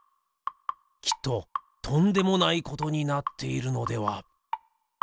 きっととんでもないことになっているのでは？